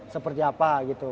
seperti apa gitu